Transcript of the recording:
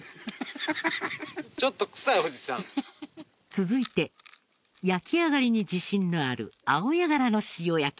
続いて焼き上がりに自信のあるアオヤガラの塩焼き。